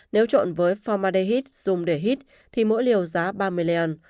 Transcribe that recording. nếu trộn với formadehid dùng để hít thì mỗi liều giá ba mươi leon